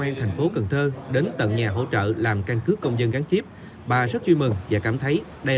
an tp cn đến tận nhà hỗ trợ làm căn cước công dân gắn chiếp bà rất vui mừng và cảm thấy đây